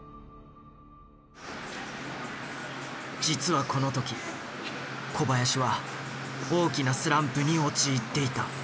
実はこの時小林は大きなスランプに陥っていた。